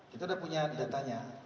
kita sudah punya datanya